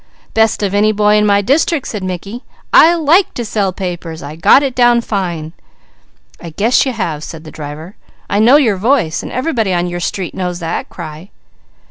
"Best of any boy in my district," said Mickey. "I like to sell papers. I got it down fine!" "I guess you have," said the driver. "I know your voice, and everybody on your street knows that cry.